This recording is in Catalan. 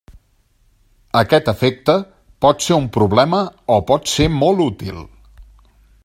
Aquest efecte pot ser un problema o pot ser molt útil.